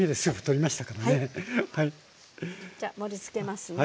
じゃあ盛りつけますね。